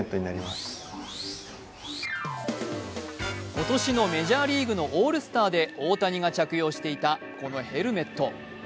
今年のメジャーリーグのオールスターで大谷が着用していた、このヘルメット。